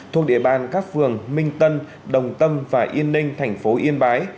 thuộc địa bàn các phường minh tân đồng tâm và yên ninh thành phố yên bái